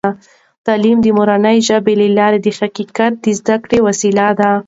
تعلیم د مورنۍ ژبې له لارې د حقیقت د زده کړې وسیله ده.